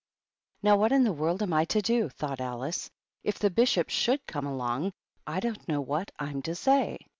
" Now what in the world am I to do ?" thought Alice. " If the Bishops should come along, I don't know wiiat I'm to say.